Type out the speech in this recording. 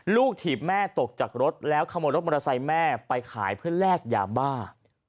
ถีบแม่ตกจากรถแล้วขโมยรถมอเตอร์ไซค์แม่ไปขายเพื่อแลกยาบ้า